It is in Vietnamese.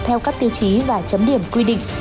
theo các tiêu chí và chấm điểm quy định